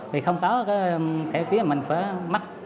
vì không có thẻ phía mình phải mắc